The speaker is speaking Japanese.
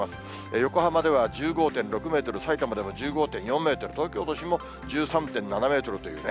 横浜では１５．６メートル、さいたまでは１５．４メートル、東京都心も１３．７メートルというね。